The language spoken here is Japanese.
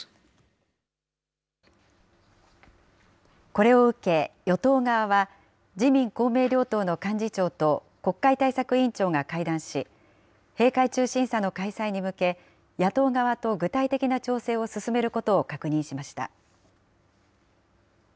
これを受け、与党側は、自民、公明両党の幹事長と国会対策委員長が会談し、閉会中審査の開催に向け、野党側と具体的な調整を進めることを確認しました。